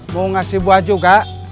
mau ngasih buah juga